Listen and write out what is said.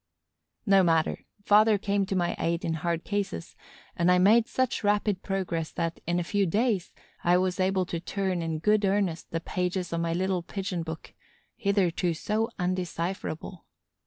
No matter; father came to my aid in hard cases; and I made such rapid progress that, in a few days, I was able to turn in good earnest the pages of my little Pigeon book, hitherto so undecipherable.